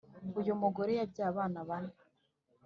uyumugore yabyaye abana bane